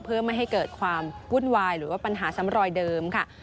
เพื่อไม่ให้เกิดความวุ่นวายหรือว่าปัญหาซ้ำรอยเดิมค่ะ